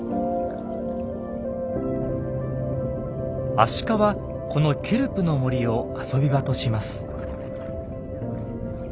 アシカはこのケルプの森を遊び場とします。